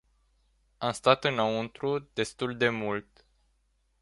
Am stat înăuntru destul de mult.